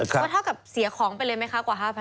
ก็เท่ากับเสียของไปเลยไหมคะกว่า๕๐๐